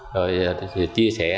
rồi chia sẻ